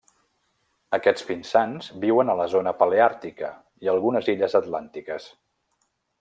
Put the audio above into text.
Aquests pinsans viuen a la zona paleàrtica i algunes illes atlàntiques.